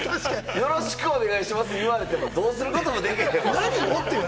よろしくお願いしますって言われても、どうすることもできへん。